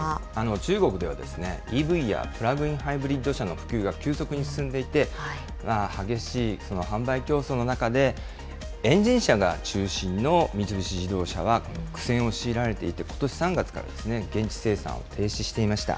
中国ではＥＶやプラグインハイブリッド車の普及が急速に進んでいて、激しい販売競争の中で、エンジン車が中心の三菱自動車は苦戦を強いられていて、ことし３月から現地生産を停止していました。